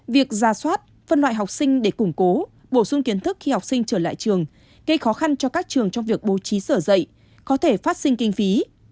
việc ra soát phân loại học sinh để củng cố bổ sung kiến thức khi học sinh trở lại trường gây khó khăn cho các trường trong việc bố trí sở dạy có thể phát sinh kinh phí